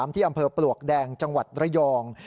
ที่อำเภอปลวกแดงจังหวัดระยอง